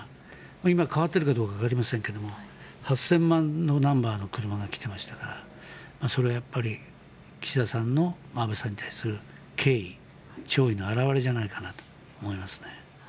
今、変わっているかどうかわかりませんが８０００番ナンバーの車が来てましたから、それはやっぱり岸田さんの安倍さんに対する敬意弔意の表れじゃないかなと思います。